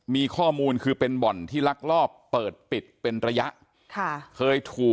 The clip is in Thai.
มีข้อมูลคือเป็นบ่อนที่ลักลอบเปิดปิดเป็นระยะค่ะเคยถูก